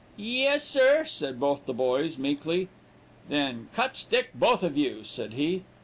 "'Yes, sir,' said both of the boys, meekly. "'Then cut stick, both of you,' said he.